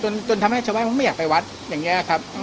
จนทำให้ชาวบ้านเขาไม่อยากไปวัดอย่างนี้ครับ